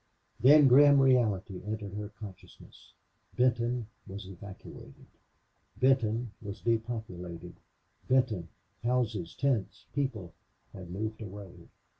Then grim reality entered her consciousness. Benton was evacuated. Benton was depopulated. Benton houses, tents, people had moved away.